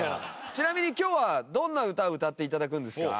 ちなみに今日はどんな歌を歌って頂くんですか？